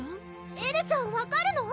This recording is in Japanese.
エルちゃん分かるの？